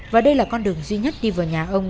và đây là con đường duy nhất đi vào nhà ông